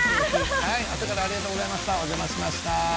朝からありがとうございました。